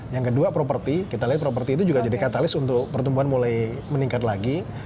yang kedua properti kita lihat properti itu juga jadi katalis untuk pertumbuhan mulai meningkat lagi